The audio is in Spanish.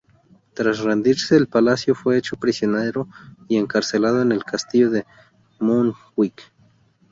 Tras rendirse el palacio, fue hecho prisionero y encarcelado en el castillo de Montjuic.